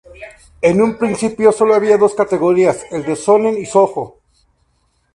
En un principio, solo había dos categorías, el de "shōnen" y "shōjo".